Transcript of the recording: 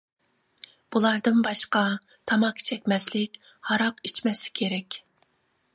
بۇلاردىن باشقا، تاماكا چەكمەسلىك، ھاراق ئىچمەسلىك كېرەك.